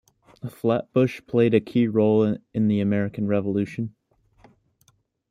Flatbush played a key role in the American Revolution.